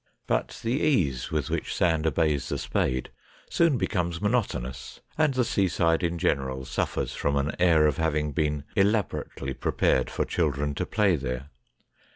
But the ease with which sand obeys the spade soon becomes monotonous, and the seaside in general suffers from an air of having been elabo rately prepared for children to play there.